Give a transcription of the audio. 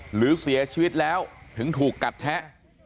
หรือเสียชีวิตแล้วถึงถูกกัดแทะ